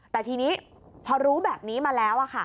แต่ทีนี้พอรู้แบบนี้มาแล้ว